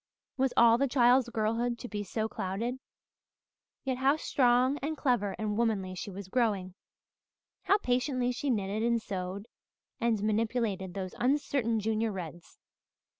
Was all the child's girlhood to be so clouded? Yet how strong and clever and womanly she was growing! How patiently she knitted and sewed and manipulated those uncertain Junior Reds!